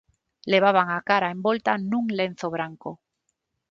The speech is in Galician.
Levaban a cara envolta nun lenzo branco